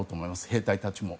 兵隊たちも。